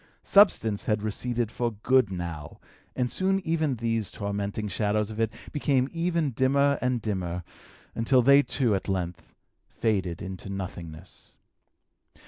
Substance had receded for good now, and soon even these tormenting shadows of it became ever dimmer and dimmer, until they too at length faded into nothingness.